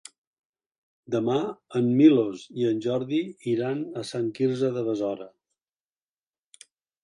Demà en Milos i en Jordi iran a Sant Quirze de Besora.